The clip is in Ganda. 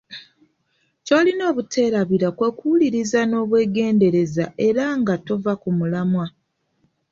Ky'olina obuteerabira kwe kuwuliriza n'obwegendereza era nga tova ku mulamwa.